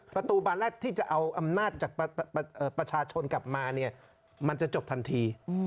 ประตูบานแรกที่จะเอาอำนาจจากประชาชนกลับมาเนี่ยมันจะจบทันที